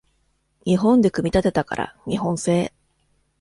日本で組み立てたから日本製